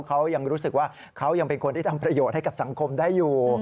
เขายังรู้สึกว่าเขายังเป็นคนที่ทำประโยชน์ให้กับสังคมได้อยู่